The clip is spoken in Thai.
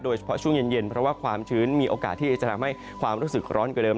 ช่วงเย็นเพราะว่าความชื้นมีโอกาสที่จะทำให้ความรู้สึกร้อนกว่าเดิม